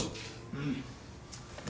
うん。